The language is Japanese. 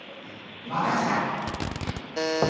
任せた。